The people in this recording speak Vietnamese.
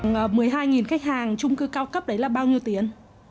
và một mươi hai khách hàng trung cư cao cấp đấy là bao nhiêu tiền